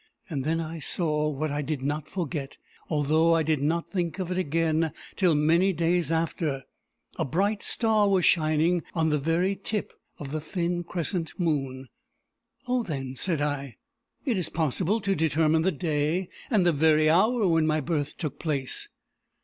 Then I saw what I did not forget, although I did not think of it again till many days after, a bright star was shining on the very tip of the thin crescent moon." "Oh, then," said I, "it is possible to determine the day and the very hour when my birth took place."